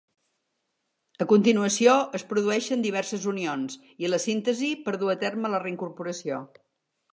A continuació es produeixen diverses unions i la síntesi per dur a terme la reincorporació.